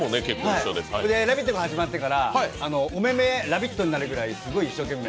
「ラヴィット！」が始まってからおめめラヴィット！になるくらいすごい一生懸命。